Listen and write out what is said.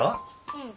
うん。